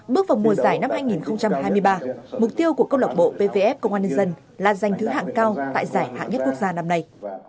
bước vào mùa giải năm hai nghìn hai mươi ba mục tiêu của câu lạc bộ pvf công an nhân dân là giành thứ hạng cao tại giải hạng nhất quốc gia năm nay